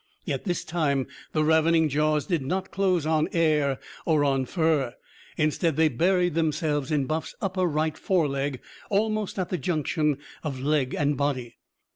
Yet this time the ravening jaws did not close on air or on fur. Instead they buried themselves in Buff's upper right foreleg, almost at the junction of leg and body.